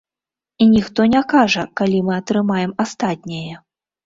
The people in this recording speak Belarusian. І ніхто не кажа, калі мы атрымаем астатняе.